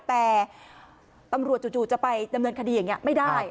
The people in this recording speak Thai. แต่ตำรวจจู่จะไปดำเนินคดีอย่างนี้ไม่ได้